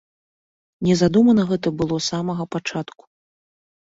Не задумана гэта было з самага пачатку!